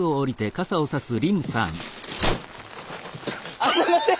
あっすいません！